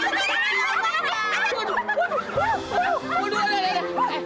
tari bang tari bang